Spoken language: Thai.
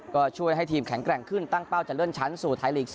ก็ช่วยให้ทีมแข็งแกร่งขึ้นตั้งเป้าจะเลื่อนชั้นสู่ไทยลีก๒๐